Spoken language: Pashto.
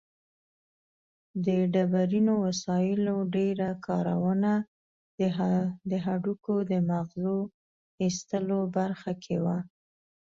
د ډبرینو وسایلو ډېره کارونه د هډوکو د مغزو ایستلو برخه کې وه.